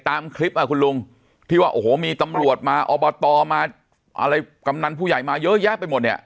ตามคลิปอ่ะคุณลุงที่ว่าโอ้โหมีตำรวจมาอบตมาอะไรกำนันผู้ใหญ่มาเยอะแยะไปหมดเนี่ย